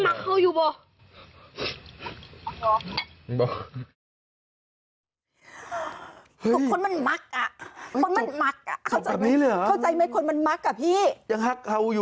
แบบนี้เลยแบบนี้เลย